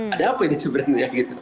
ada apa ini sebenarnya